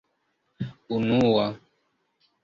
unua